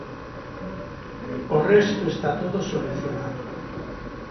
O resto está todo solucionado.